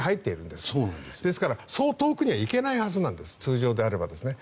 ですから、そう遠くには行けないはずなんです通常であればですね。